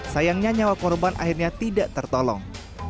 sayangnya nyawa korban akhirnya tidak tertolong